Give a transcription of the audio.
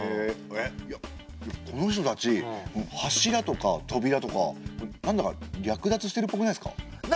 えっいやこの人たち柱とかとびらとかなんだか略奪してるっぽくないですか？